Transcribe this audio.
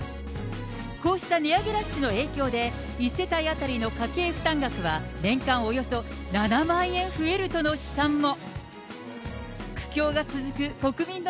こうした値上げラッシュの影響で１世帯当たりの家計負担額は年間およそ７万円増えるとの試算も。